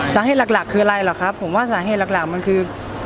สาเหตุหลักคืออะไรหรอกครับผมว่าสาเหตุหลักมันคือ